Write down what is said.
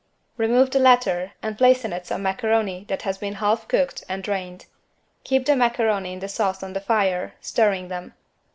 Remove the latter and place in it some macaroni that has been half cooked and drained. Keep the macaroni in the sauce on the fire, stirring them.